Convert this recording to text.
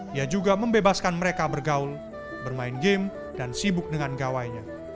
dia juga membebaskan mereka bergaul bermain game dan sibuk dengan gawainya